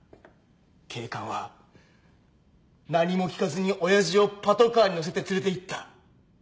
警官は何も聞かずに親父をパトカーに乗せて連れていった。